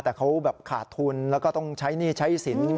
แต่เขาแบบขาดทุนแล้วก็ต้องใช้หนี้ใช้สิน